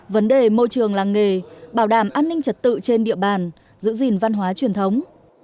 vấn đề môi trường làng nghề bảo đảm an ninh trật tự trên địa bàn giữ gìn văn hóa truyền thống